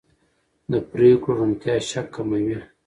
د پرېکړو روڼتیا شک کموي